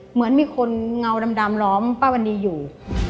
เหมือนมีคนเงาดำล้อมป้าวันดีอยู่